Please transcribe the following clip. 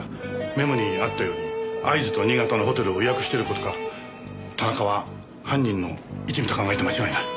メモにあったように会津と新潟のホテルを予約してる事から田中は犯人の一味と考えて間違いない。